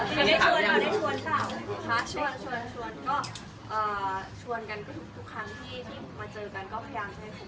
เขามีแบบขอโทษกันเรื่องไหมครับแบบรู้เสียดายไม่ได้ไปอะไรอย่างงี้